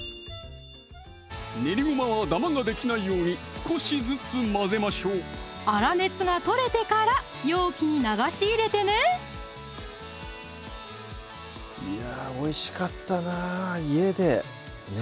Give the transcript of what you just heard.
練りごまはダマができないように少しずつ混ぜましょう粗熱が取れてから容器に流し入れてねいやおいしかったな家でね